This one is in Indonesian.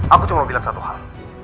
aku cuma bilang satu hal